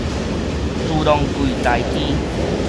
自動櫃台機